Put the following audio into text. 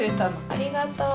ありがとう。